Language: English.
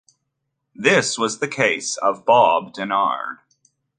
This was the case of Bob Denard.